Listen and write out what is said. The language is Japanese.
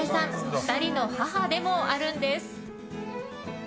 ２人の母でもあるんです。